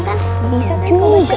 kita bisa tengok kan